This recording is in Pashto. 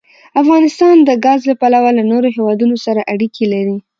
افغانستان د ګاز له پلوه له نورو هېوادونو سره اړیکې لري.